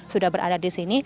sudah berada di sini